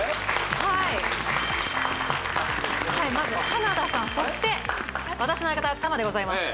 はいまず花田さんそして私の相方玉でございます